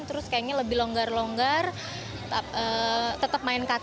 terus kayaknya lebih longgar longgar tetap main kata